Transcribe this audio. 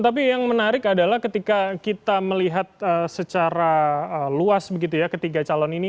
tapi yang menarik adalah ketika kita melihat secara luas begitu ya ketiga calon ini